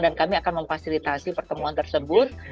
dan kami akan memfasilitasi pertemuan tersebut